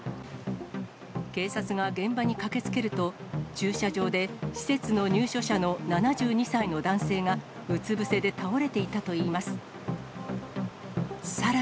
警察が現場に駆けつけると、駐車場で、施設の入所者の７２歳の男性がうつ伏せで倒れていたといいます。